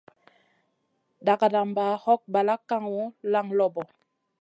Dagadamba hog balak kaŋu, laŋ loɓo.